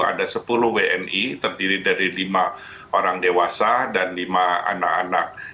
ada sepuluh wni terdiri dari lima orang dewasa dan lima anak anak